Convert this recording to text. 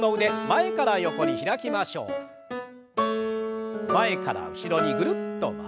前から後ろにぐるっと回して。